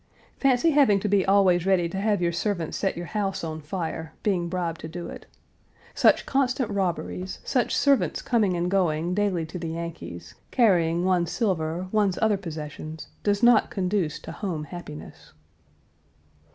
Fancy having to be always ready to have your servants set your house on fire, being bribed to do it. Such constant robberies, such servants coming and going daily to the Yankees, carrying one's silver, one's other possessions, does not conduce to home happiness.